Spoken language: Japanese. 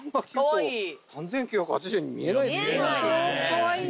かわいい。